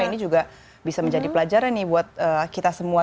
ini juga bisa menjadi pelajaran nih buat kita semua